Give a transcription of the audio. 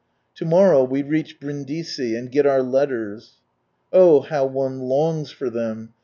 To morrow we reach Brindisi, and get our letters. Oh, how one longs for them